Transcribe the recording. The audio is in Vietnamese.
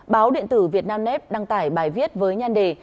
báo điện tử việt nam nep đăng tải bài viết với nhan đề